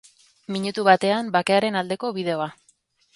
Minutu batean bakearen aldeko bideoa.